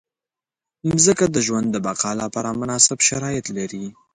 مځکه د ژوند د بقا لپاره مناسب شرایط لري.